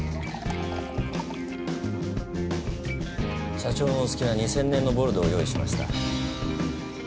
社長のお好きな２０００年のボルドーを用意しました。